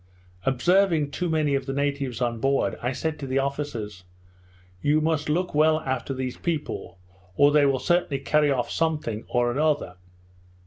Observing too many of the natives on board, I said to the officers, "You must look well after these people, or they will certainly carry off something or other."